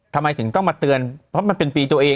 ทำไมถึงต้องมาเตือนเพราะมันเป็นปีตัวเอง